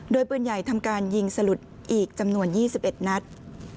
โดยปืนใหญ่ทำการยิงสลุดอีกจำนวน๒๑นัด